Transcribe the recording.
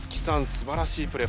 すばらしいプレー。